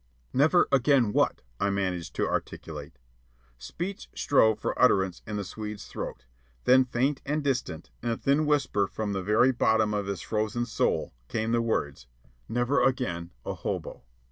"Never again what?" I managed to articulate. Speech strove for utterance in the Swede's throat; then faint and distant, in a thin whisper from the very bottom of his frozen soul, came the words: "Never again a hobo."